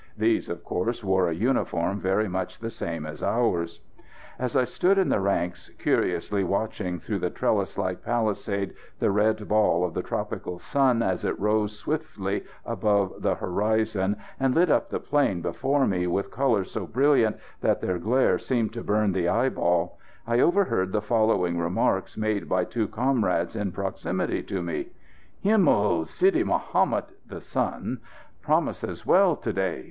These, of course, wore a uniform very much the same as ours. As I stood in the ranks curiously watching through the trellis like palisade the red ball of the tropical sun as it rose swiftly above the horizon and lit up the plain before me with colours so brilliant that their glare seemed to burn the eyeball, I overheard the following remarks made by two comrades in proximity to me: "Himmel! Sidi Mahomet (the sun) promises well to day.